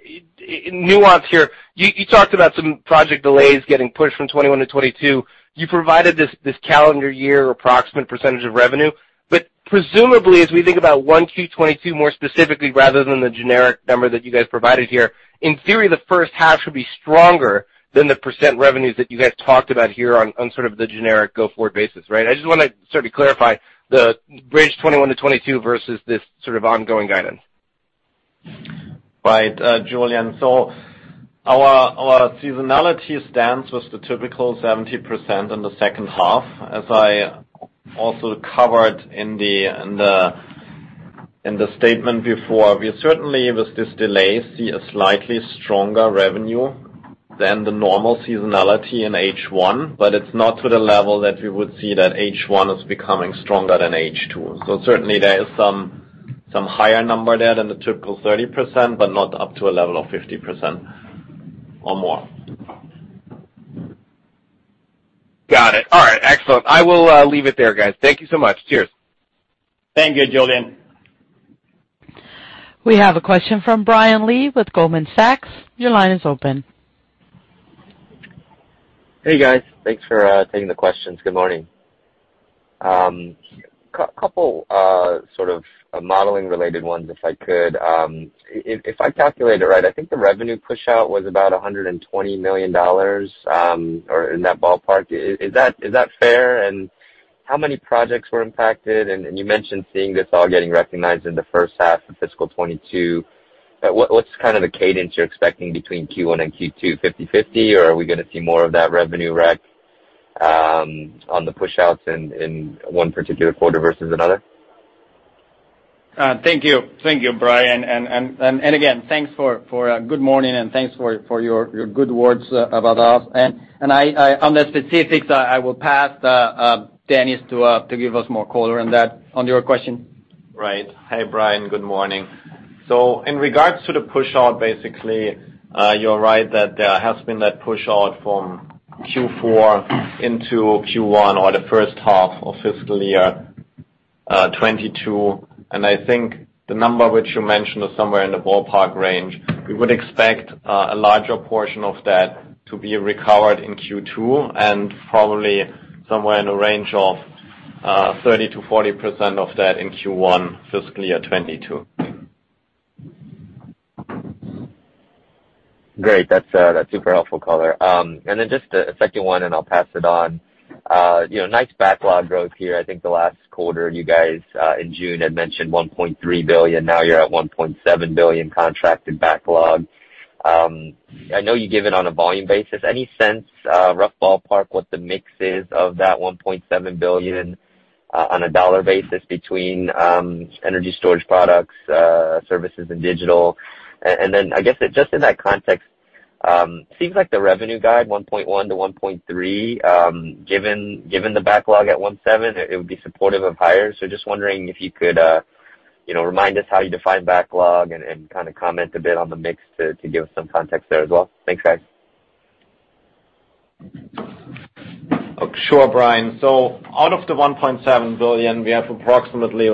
nuance here. You talked about some project delays getting pushed from 2021 to 2022. You provided this calendar year approximate percentage of revenue. But presumably, as we think about 1Q 2022 more specifically rather than the generic number that you guys provided here, in theory the first half should be stronger than the percent revenues that you guys talked about here on sort of the generic go-forward basis, right? I just wanna sort of clarify the bridge 2021 to 2022 versus this sort of ongoing guidance. Right, Julien. Our seasonality stands with the typical 70% in the second half. As I also covered in the statement before, we certainly, with this delay, see a slightly stronger revenue than the normal seasonality in H1, but it's not to the level that we would see that H1 is becoming stronger than H2. Certainly there is some higher number there than the typical 30%, but not up to a level of 50% or more. Got it. All right. Excellent. I will leave it there, guys. Thank you so much. Cheers. Thank you, Julien. We have a question from Brian Lee with Goldman Sachs. Your line is open. Hey, guys. Thanks for taking the questions. Good morning. Couple sort of modeling-related ones, if I could. If I calculated it right, I think the revenue pushout was about $120 million or in that ballpark. Is that fair? And how many projects were impacted? And you mentioned seeing this all getting recognized in the first half of fiscal 2022. What's kind of the cadence you're expecting between Q1 and Q2, 50/50? Or are we gonna see more of that revenue rec on the pushouts in one particular quarter versus another? Thank you. Thank you, Brian. Again, thanks for a good morning, and thanks for your good words about us. On the specifics, I will pass Dennis to give us more color on that, on your question. Right. Hey, Brian, good morning. In regards to the pushout, basically, you're right that there has been that pushout from Q4 into Q1 or the first half of fiscal year 2022. I think the number which you mentioned is somewhere in the ballpark range. We would expect a larger portion of that to be recovered in Q2 and probably somewhere in the range of 30%-40% of that in Q1 fiscal year 2022. Great. That's super helpful color. Just a second one, and I'll pass it on. You know, nice backlog growth here. I think the last quarter, you guys, in June had mentioned $1.3 billion. Now you're at $1.7 billion contracted backlog. I know you give it on a volume basis. Any sense, rough ballpark what the mix is of that $1.7 billion, on a dollar basis between, energy storage products, services and digital? I guess just in that context, seems like the revenue guide $1.1 billion-$1.3 billion, given the backlog at $1.7 billion, it would be supportive of hires. Just wondering if you could remind us how you define backlog and kind of comment a bit on the mix to give us some context there as well. Thanks, guys. Sure, Brian. Out of the $1.7 billion, we have approximately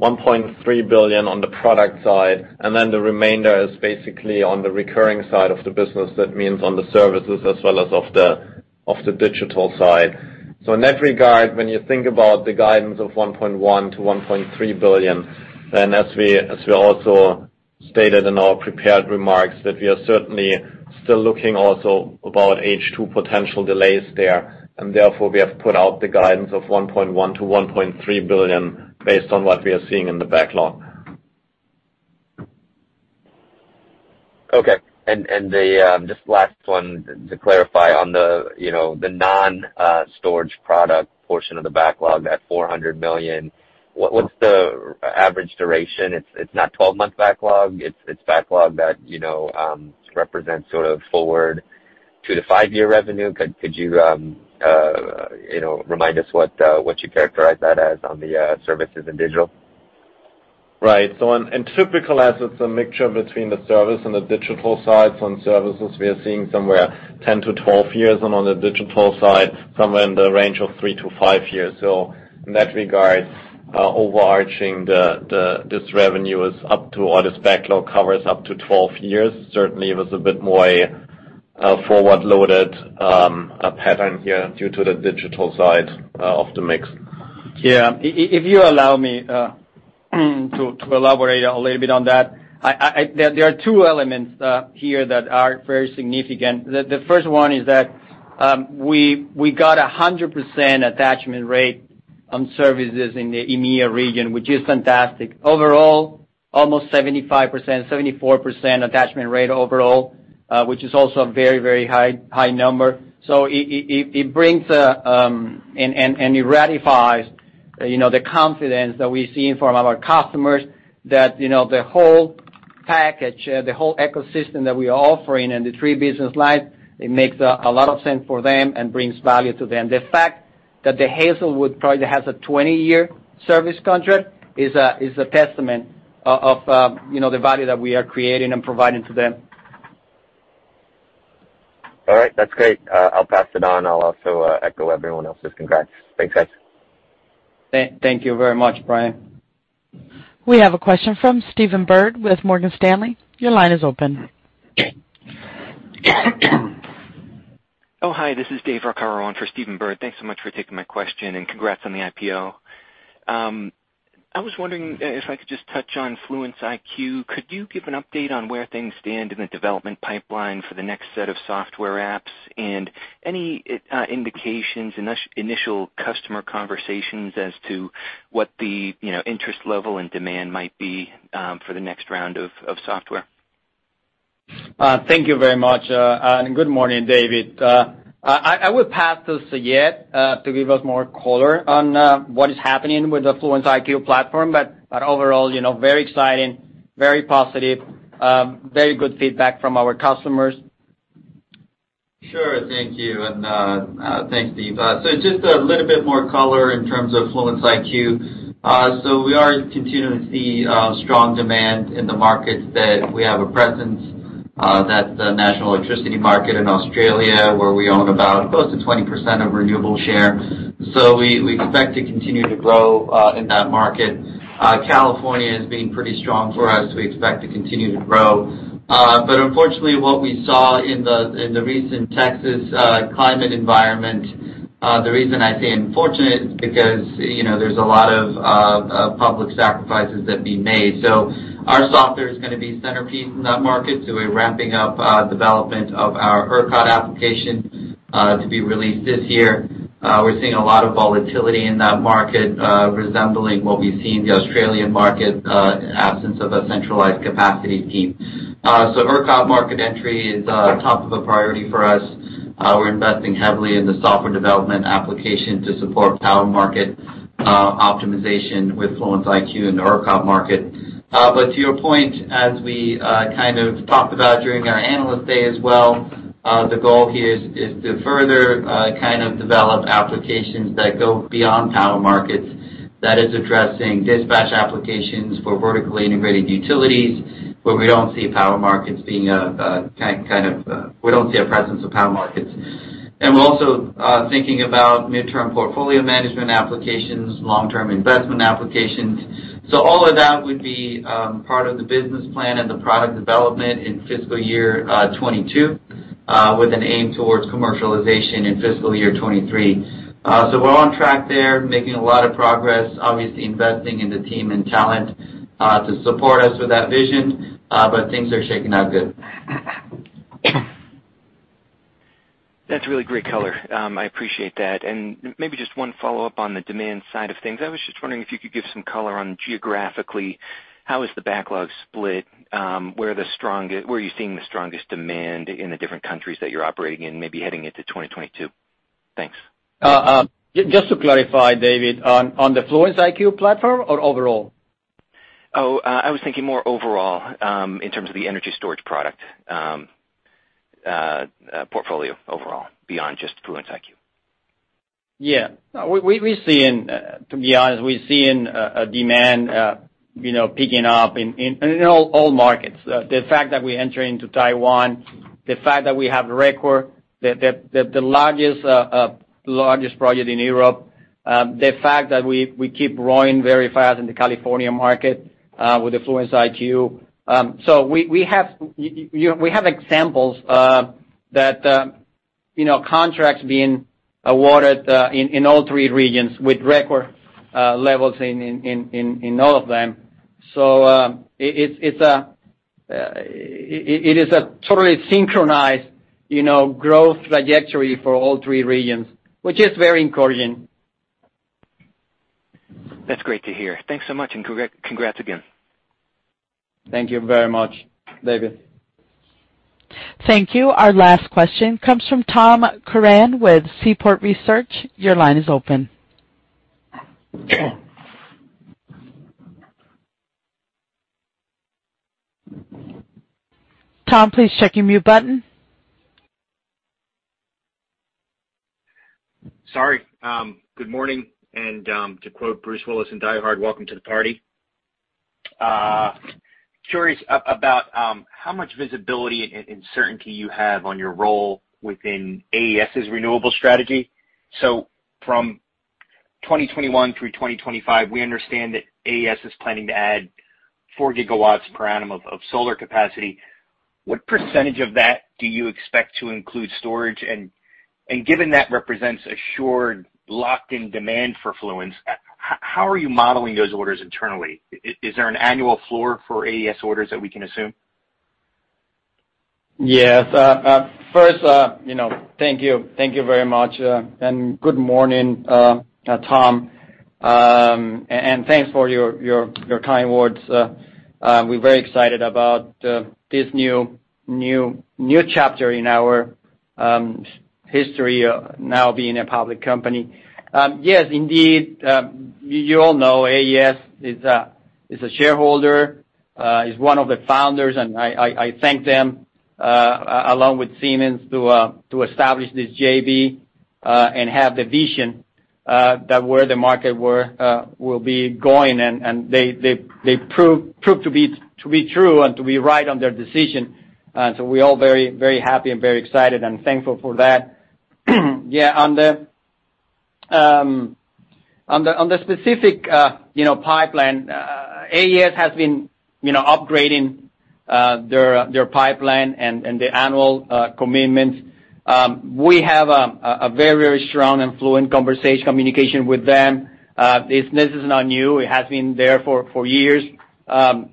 $1.3 billion on the product side, and then the remainder is basically on the recurring side of the business. That means on the services as well as of the digital side. In that regard, when you think about the guidance of $1.1 billion-$1.3 billion, and as we also stated in our prepared remarks, that we are certainly still looking also about H2 potential delays there, and therefore, we have put out the guidance of $1.1 billion-$1.3 billion based on what we are seeing in the backlog. Okay. Just last one to clarify on the, you know, the non-storage product portion of the backlog at $400 million. What’s the average duration? It’s not 12-month backlog. It’s backlog that, you know, represents sort of forward two- to five-year revenue. Could you know, remind us what you characterize that as on the services and digital? Right. In typical assets, a mixture between the service and the digital sides. On services, we are seeing somewhere 10-12 years, and on the digital side, somewhere in the range of three to five years. In that regard, overarching this revenue is up to, or this backlog covers up to 12 years. Certainly, it was a bit more forward-loaded pattern here due to the digital side of the mix. Yeah. If you allow me to elaborate a little bit on that. There are two elements here that are very significant. The first one is that we got 100% attachment rate on services in the EMEA region, which is fantastic. Overall, almost 75%, 74% attachment rate overall, which is also a very high number. It brings and it ratifies, you know, the confidence that we're seeing from our customers that, you know, the whole package, the whole ecosystem that we are offering in the three business lines, it makes a lot of sense for them and brings value to them. The fact that the Hazelwood project has a 20-year service contract is a testament of, you know, the value that we are creating and providing to them. All right. That's great. I'll pass it on. I'll also echo everyone else's congrats. Thanks, guys. Thank you very much, Brian. We have a question from Stephen Byrd with Morgan Stanley. Your line is open. Oh, hi. This is Dave Arcaro on for Stephen Byrd. Thanks so much for taking my question, and congrats on the IPO. I was wondering if I could just touch on Fluence IQ. Could you give an update on where things stand in the development pipeline for the next set of software apps and any indications, initial customer conversations as to what the, you know, interest level and demand might be, for the next round of software? Thank you very much. Good morning, Dave. I will pass to Seyed to give us more color on what is happening with the Fluence IQ platform. Overall, you know, very exciting, very positive, very good feedback from our customers. Sure. Thank you. Thanks, Steve. Just a little bit more color in terms of Fluence IQ. We are continuing to see strong demand in the markets that we have a presence, that's the National Electricity Market in Australia, where we own about close to 20% of renewable share. We expect to continue to grow in that market. California is being pretty strong for us. We expect to continue to grow. But unfortunately, what we saw in the recent Texas climate environment, the reason I say unfortunate is because, you know, there's a lot of public sacrifices that being made. Our software is gonna be centerpiece in that market, we're ramping up development of our ERCOT application to be released this year. We're seeing a lot of volatility in that market, resembling what we see in the Australian market, in absence of a centralized capacity scheme. ERCOT market entry is top priority for us. We're investing heavily in the software development application to support power market optimization with Fluence IQ in the ERCOT market. To your point, as we kind of talked about during our Analyst Day as well The goal here is to further kind of develop applications that go beyond power markets. That is addressing dispatch applications for vertically integrated utilities where we don't see a presence of power markets. We're also thinking about mid-term portfolio management applications, long-term investment applications. All of that would be part of the business plan and the product development in fiscal year 2022 with an aim towards commercialization in fiscal year 2023. We're on track there, making a lot of progress, obviously investing in the team and talent to support us with that vision, but things are shaping out good. That's really great color. I appreciate that. Maybe just one follow-up on the demand side of things. I was just wondering if you could give some color on geographically, how is the backlog split? Where are you seeing the strongest demand in the different countries that you're operating in, maybe heading into 2022? Thanks. Just to clarify, David, on the Fluence IQ platform or overall? I was thinking more overall, in terms of the energy storage product, portfolio overall beyond just Fluence IQ. No, we're seeing, to be honest, we're seeing a demand, you know, picking up in all markets. The fact that we enter into Taiwan, the fact that we have the record largest project in Europe, the fact that we keep growing very fast in the California market with the Fluence IQ. So we have you know, we have examples that you know, contracts being awarded in all three regions with record levels in all of them. It is a totally synchronized, you know, growth trajectory for all three regions, which is very encouraging. That's great to hear. Thanks so much and congrats again. Thank you very much, David. Thank you. Our last question comes from Tom Curran with Seaport Research. Your line is open. Tom, please check your mute button. Sorry. Good morning, and to quote Bruce Willis in Die Hard, welcome to the party. Curious about how much visibility and certainty you have on your role within AES's renewable strategy. From 2021 through 2025, we understand that AES is planning to add 4 GW per annum of solar capacity. What percentage of that do you expect to include storage? And given that represents assured locked-in demand for Fluence, how are you modeling those orders internally? Is there an annual floor for AES orders that we can assume? Yes. First, you know, thank you very much, and good morning, Tom. And thanks for your kind words. We're very excited about this new chapter in our history of now being a public company. Yes, indeed, you all know AES is a shareholder, is one of the founders, and I thank them along with Siemens to establish this JV and have the vision that where the market will be going. They proved to be true and to be right on their decision. So we're all very happy and excited and thankful for that. Yeah, on the specific, you know, pipeline, AES has been, you know, upgrading their pipeline and the annual commitments. We have a very strong communication with them. This business is not new. It has been there for years. We're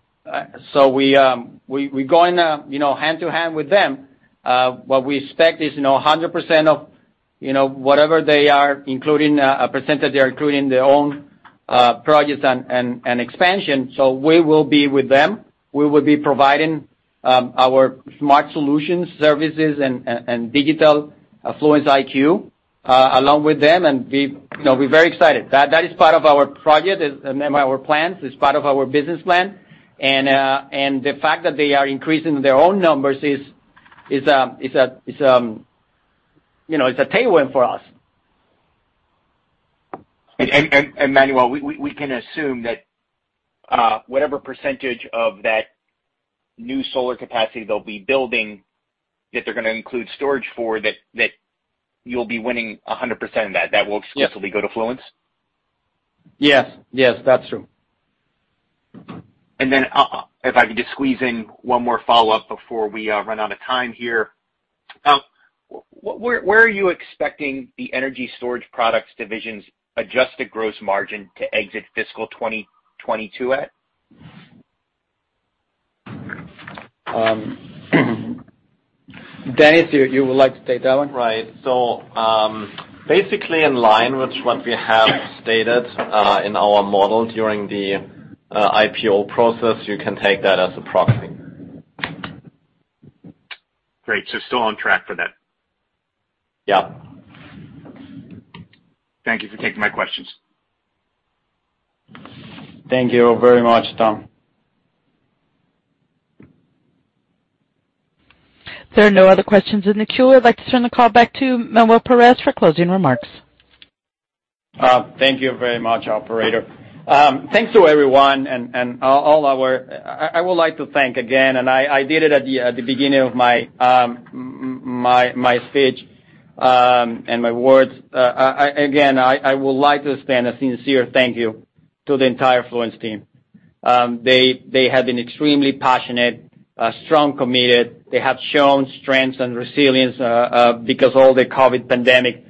going, you know, hand in hand with them. What we expect is, you know, 100% of whatever they are, including a percentage they are including their own projects and expansion. We will be with them. We will be providing our smart solutions, services and digital Fluence IQ along with them, and we, you know, we're very excited. That is part of our projects and our plans. It's part of our business plan. The fact that they are increasing their own numbers is, you know, a tailwind for us. Manuel, we can assume that whatever percentage of that new solar capacity they'll be building that they're gonna include storage for, that you'll be winning 100% of that. That will exclusively go to Fluence? Yes. Yes, that's true. If I could just squeeze in one more follow-up before we run out of time here. Where are you expecting the energy storage products division's adjusted gross margin to exit fiscal 2022 at? Dennis, you would like to take that one? Right. Basically in line with what we have stated in our model during the IPO process, you can take that as a proxy. Great. Still on track for that. Yeah. Thank you for taking my questions. Thank you very much, Tom. There are no other questions in the queue. I'd like to turn the call back to Manuel Perez for closing remarks. Thank you very much, operator. Thanks to everyone and all our. I would like to thank again. I did it at the beginning of my speech and my words. Again, I would like to extend a sincere thank you to the entire Fluence team. They have been extremely passionate, strongly committed. They have shown strength and resilience because of the COVID pandemic.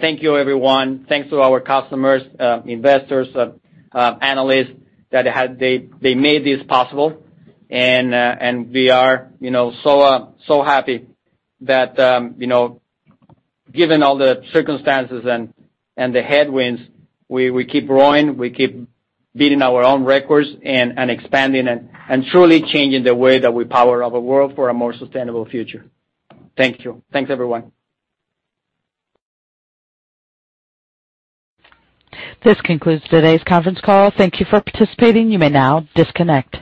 Thank you, everyone. Thanks to our customers, investors, analysts. They made this possible. We are, you know, so happy that, you know, given all the circumstances and the headwinds, we keep growing, we keep beating our own records and expanding and truly changing the way that we power our world for a more sustainable future. Thank you. Thanks, everyone. This concludes today's conference call. Thank you for participating. You may now disconnect.